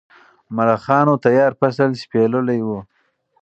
ملخانو تیار فصل شپېلولی و.